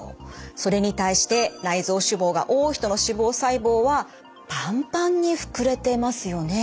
それに対して内臓脂肪が多い人の脂肪細胞はパンパンに膨れてますよね。